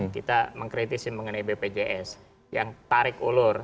kita mengkritisi mengenai bpjs yang tarik ulur